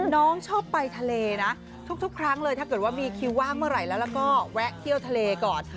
น้องชอบไปทะเลนะทุกครั้งเลยถ้าเกิดว่ามีคิวว่างเมื่อไหร่แล้วก็แวะเที่ยวทะเลก่อน